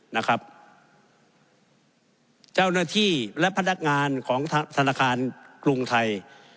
นะครับเจ้าหน้าที่และพนักงานของธนาคารกรุงไทย